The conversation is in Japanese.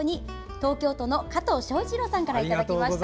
東京都の加藤昇一郎さんからいただきました。